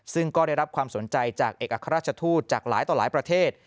ซึ่งก็ได้รับความสนใจจากเอกอัครราชทูตจากหลายต่อหลายประเทศ